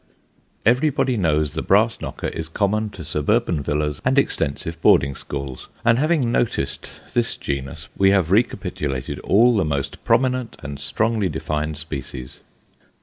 Everybody knows the brass knocker is common to suburban villas, and extensive boarding schools ; and having noticed this genus we have recapitulated all the most prominent and strongly defined species.